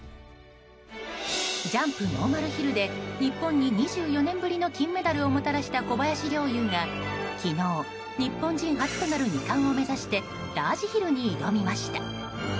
ジャンプ・ノーマルヒルで日本に２４年ぶりの金メダルを小林陵侑が昨日日本人初となる２冠を目指してラージヒルに挑みました。